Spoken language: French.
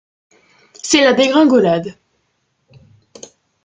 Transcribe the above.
C'est la dégringolade.